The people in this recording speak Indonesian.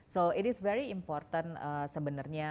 so it is very important sebenarnya